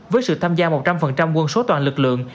với sự tham gia một trăm linh quân số toàn lực lượng